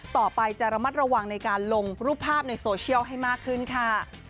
ต่อไปจะระมัดระวังในการลงรูปภาพในโซเชียลให้มากขึ้นค่ะ